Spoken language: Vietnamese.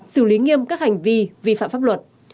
xử lý nghiêm các hành vi vi phạm pháp luật